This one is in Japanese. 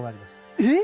えっ！